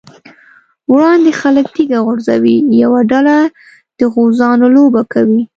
وړاندې خلک تيږه غورځوي، یوه ډله د غوزانو لوبه کوي.